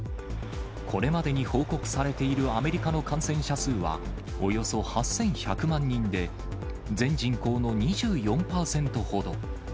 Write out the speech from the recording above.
これまでに報告されているアメリカの感染者数はおよそ８１００万人で、全人口の２４％ほど。